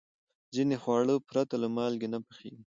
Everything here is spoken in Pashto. ځینې خواړه پرته له مالګې نه پخېږي.